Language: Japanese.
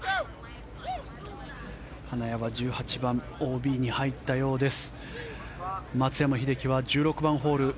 金谷は１８番、ＯＢに入ったようです。